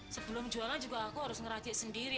sebelum jualan juga aku harus ngerajik sendiri